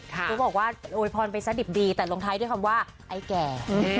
เขาบอกว่าโวยพรไปซะดิบดีแต่ลงท้ายด้วยคำว่าไอ้แก่